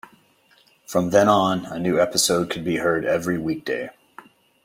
From then on, a new episode could be heard every weekday.